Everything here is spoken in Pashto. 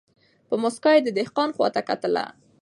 په موسکا یې د دهقان خواته کتله